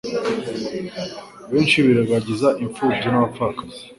Benshi birengagiza imfubyi n'abapfakazi,